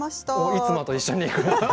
いつもと一緒よ。